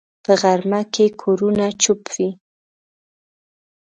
په غرمه کې کورونه چوپ وي